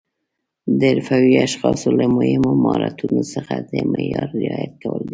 د حرفوي اشخاصو له مهمو مهارتونو څخه د معیار رعایت کول دي.